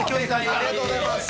◆ありがとうございます。